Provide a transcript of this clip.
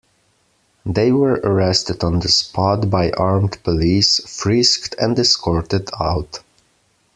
They were arrested on the spot by armed police, frisked and escorted out.